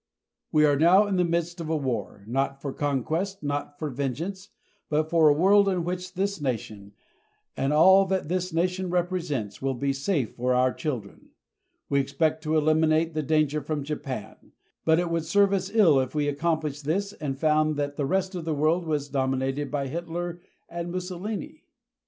We are now in the midst of a war, not for conquest, not for vengeance, but for a world in which this nation, and all that this nation represents, will be safe for our children. We expect to eliminate the danger from Japan, but it would serve us ill if we accomplished that and found that the rest of the world was dominated by Hitler and Mussolini.